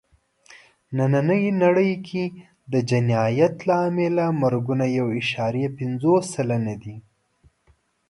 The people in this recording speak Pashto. نننۍ نړۍ کې د جنایت له امله مرګونه یو عشاریه پینځه سلنه دي.